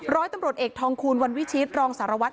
ร้อยตำรวจเอกทองคูณวันวิชิตรองสารวัตร